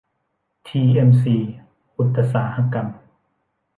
ที เอ็ม ซี อุตสาหกรรม